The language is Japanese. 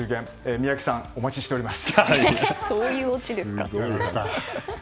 宮司さん、お待ちしております。